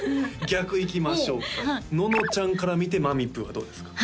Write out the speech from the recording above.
逆いきましょうかののちゃんから見てまみぷーはどうですか？